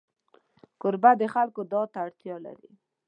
کوربه د خلکو دعا ته اړتیا لري.